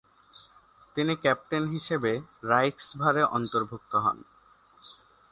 তিনি ক্যাপ্টেন হিসেবে রাইখসভারে অন্তর্ভুক্ত হন।